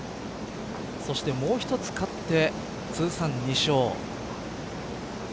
そしてもう一つ勝って通算２勝。